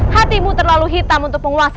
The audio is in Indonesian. hatimu terlalu hitam untuk mencari naga raja